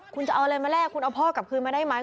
คุณจะเอาอะไรมาแลกคุณเอาพ่อกลับคืนมาได้ไหม